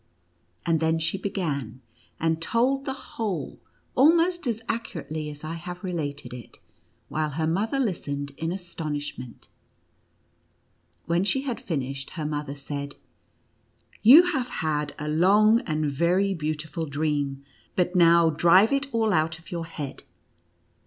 And then she began and told the whole, almost as accurately as I have related it, while her mother listened in astonishment. When she had finished, her mother said: " You have had a long and very beautiful dream, but now drive it all out of your head."